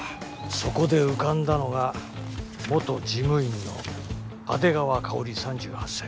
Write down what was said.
そこで浮かんだのが元事務員の阿出川香里３８歳。